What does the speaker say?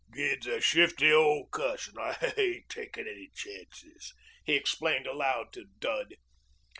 "Gid's a shifty old cuss, and I ain't taking any chances," he explained aloud to Dud.